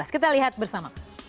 kita lihat bersama